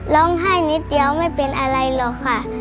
ร้องไห้นิดเดียวไม่เป็นอะไรหรอกค่ะ